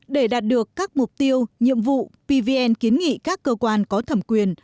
để đạt được các mục tiêu nhiệm vụ pvn kiến nghị các cơ quan có thẩm quyền